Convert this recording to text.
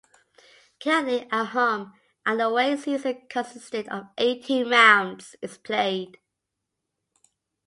Currently a home and away season consisting of eighteen rounds is played.